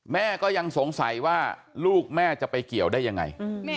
แม่ก็ยังสงสัยว่าลูกแม่จะไปเกี่ยวได้ยังไง